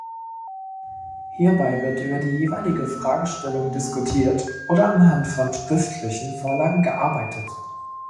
Hierbei wird über die jeweilige Fragestellung diskutiert oder anhand von schriftlichen Vorlagen gearbeitet.